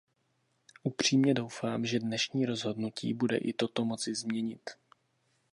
Upřímně doufám, že dnešní rozhodnutí bude i toto moci změnit.